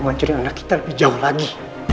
ngancurin anak kita lebih jauh lagi